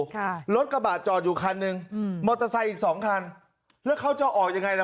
ค่ะรถกระบะจอดอยู่คันหนึ่งอืมมอเตอร์ไซค์อีกสองคันแล้วเขาจะออกยังไงล่ะ